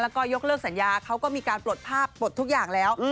แล้วก็ยกเลิกสัญญาเขาก็มีการปลดภาพปลดทุกอย่างแล้ว